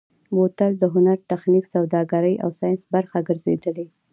بوتل د هنر، تخنیک، سوداګرۍ او ساینس برخه ګرځېدلی.